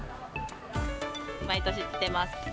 毎年来てます。